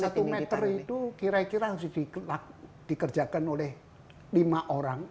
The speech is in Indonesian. satu meter itu kira kira harus dikerjakan oleh lima orang